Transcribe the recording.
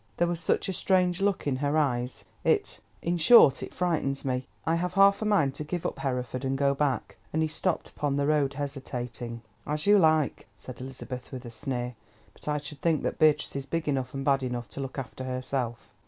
There was such a strange look in her eyes; it—in short, it frightens me. I have half a mind to give up Hereford, and go back," and he stopped upon the road, hesitating. "As you like," said Elizabeth with a sneer, "but I should think that Beatrice is big enough and bad enough to look after herself."